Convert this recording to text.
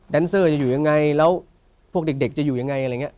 เซอร์จะอยู่ยังไงแล้วพวกเด็กจะอยู่ยังไงอะไรอย่างนี้